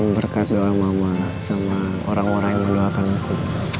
berkat doa mama sama orang orang yang mendoakan aku